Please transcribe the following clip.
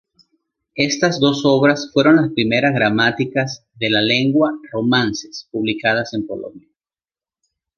Estas dos obras fueron las primeras gramáticas de las lenguas romances publicadas en Polonia.